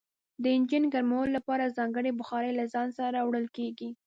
د انجن ګرمولو لپاره ځانګړي بخارۍ له ځان سره وړل کیږي